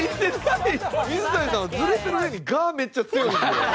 水谷さんはズレてる上に我めっちゃ強いんですよ。